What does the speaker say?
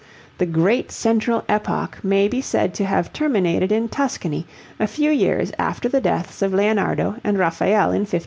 The great central epoch may be said to have terminated in Tuscany a few years after the deaths of Leonardo and Raphael in 1520.